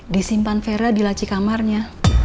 disimpan vera di laci kamarnya